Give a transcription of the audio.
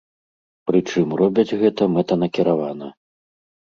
Прычым робяць гэта мэтанакіравана.